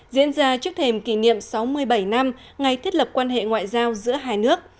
diễn ra trước thềm kỷ niệm sáu mươi bảy năm ngày thiết lập quan hệ ngoại giao giữa hai nước